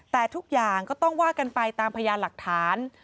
แต่ทุกอย่างก็ต้องว่ากันไปตามพยานหลักฐาน